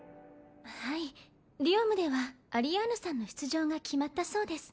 はいディオムではアリアーヌさんの出場が決まったそうです